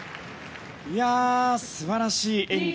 素晴らしい演技